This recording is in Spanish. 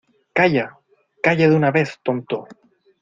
¡ Calla! ¡ calla de una vez, tonto !